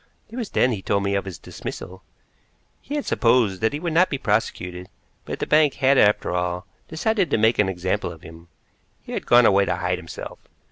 It was then he told me of his dismissal. He had supposed that he would not be prosecuted, but the bank had, after all, decided to make an example of him. He had gone away to hide himself.